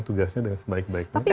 tugasnya dengan sebaik baiknya